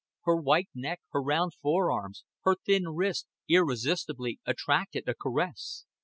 Her white neck, her round fore arms, her thin wrists, irresistibly attracted a caress.